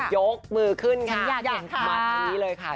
ยกมือขึ้นค่ะมาตรงนี้เลยค่ะฉันอยากเห็นค่ะ